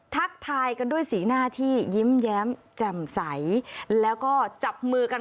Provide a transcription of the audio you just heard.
ทักทายกันด้วยสีหน้าที่ยิ้มแย้มแจ่มใสแล้วก็จับมือกัน